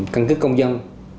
căn cứ công dân